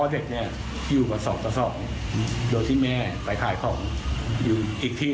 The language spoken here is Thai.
เด็กเนี่ยอยู่มา๒ต่อ๒โดยที่แม่ไปขายของอยู่อีกที่